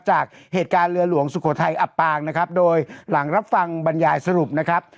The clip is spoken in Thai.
จากเหตุการณ์เรือหลวงสุโขทัยอับปางนะครับโดยหลังรับฟังบรรยายสรุปนะครับ